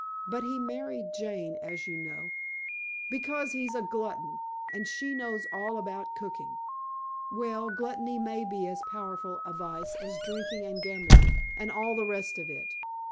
But he married Jane, as you know " "Because he is a glutton, and she knows all about cooking." "Well, gluttony may be as powerful a vice as drinking and gambling, and all the rest of it.